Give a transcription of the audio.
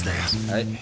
はい。